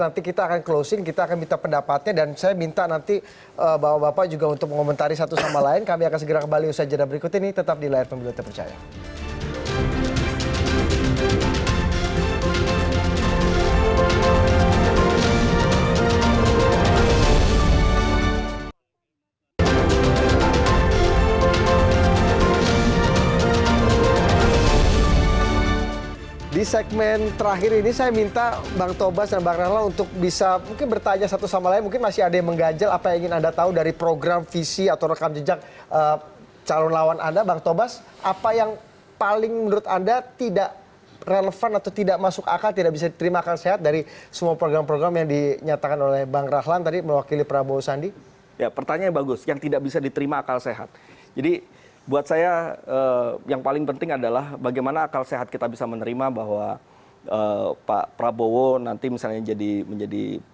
nanti kita akan closing kita akan minta pendapatnya